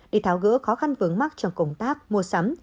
để tháo gỡ khó khăn vướng mắt trong công tác mua sắm